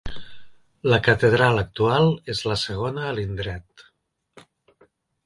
La catedral actual és la segona a l'indret.